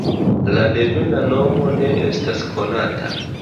La devena nomo ne estas konata.